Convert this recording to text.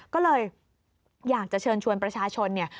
ก็เลยอยากจะเชิญชวนประชาชนเนี่ย